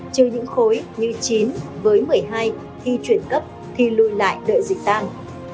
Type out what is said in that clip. chưa những khối như chín với một mươi hai thi chuyển cấp thì lùi lại đợi dịch tăng